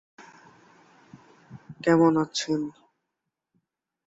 তিনি একজন সফল বক্তা হিসেবে পরিচিত।